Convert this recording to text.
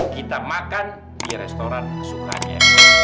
kita makan di restoran sukanya